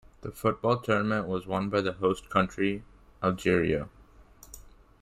The football tournament was won by the host country Algeria.